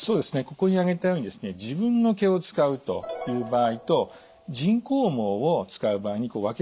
ここに挙げたようにですね自分の毛を使うという場合と人工毛を使う場合に分けられるんですね。